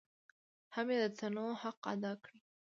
هم یې د تنوع حق ادا کړی.